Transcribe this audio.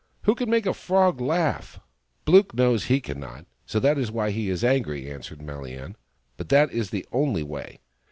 " Who can make a Frog laugh ?"" Blook knows he cannot, so that is why he is angry," answered MaHan. " But that is the only way.